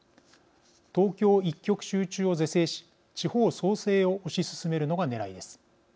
東京一極集中を是正し地方創生を推し進めるのがねらいです。